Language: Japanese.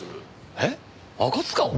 えっ赤塚を？